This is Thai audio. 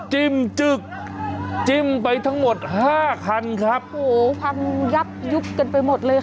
จิ้มจึกจิ้มไปทั้งหมดห้าคันครับโอ้โหพังยับยุบกันไปหมดเลยค่ะ